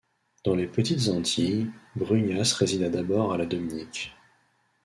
Dans les Petites Antilles, Brunias résida d'abord à la Dominique.